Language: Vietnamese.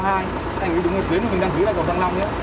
anh đứng ở tuyến mình đăng ký lại cầu thăng long nhé